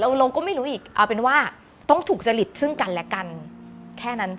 ลงก็ไม่รู้อีกเอาเป็นว่าต้องถูกจริตซึ่งกันและกันแค่นั้น